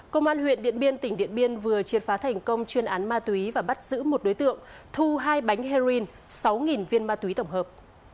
công an huyện điện biên tỉnh điện biên vừa triệt phá thành công chuyên án ma túy và bắt giữ một đối tượng thu hai bánh heroin sáu viên ma túy tổng hợp